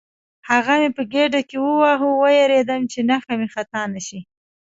هغه مې په ګېډه کې وواهه، وېرېدم چې نښه مې خطا نه شي.